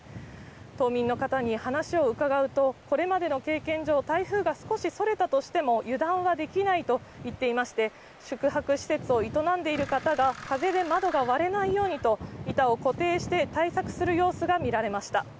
島民の方に話を伺うと、これまでの経験上、台風が少しそれたとしても油断はできないと言っていまして、宿泊施設を営んでいる方が風で窓が割れないようにと板を固定して対策する様子が見られました。